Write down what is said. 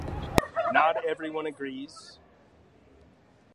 Not everyone agrees.